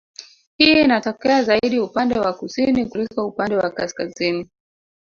Hii inatokea zaidi upande wa kusini kuliko upande wa kaskazini